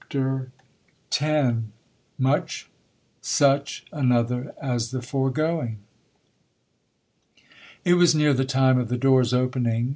Ch. X. — Much such another as the foregoing. It was near the time of the doors opening.